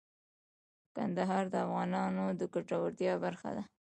کندهار د افغانانو د ګټورتیا برخه ده.